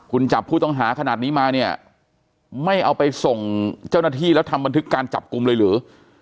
คุณจับผู้ต้องหาขนาดนี้มาเนี่ยไม่เอาไปส่งเจ้าหน้าที่แล้วทำบันทึกการจับกลุ่มเลยหรือ